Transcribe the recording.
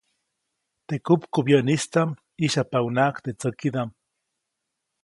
Teʼ kupkubyäʼnistaʼm ʼyĩsyajpaʼunhnaʼajk teʼ tsäkidaʼm.